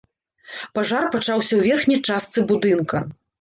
Пажар пачаўся ў верхняй частцы будынка.